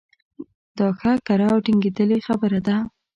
دا ښه کره او ټنګېدلې خبره ده.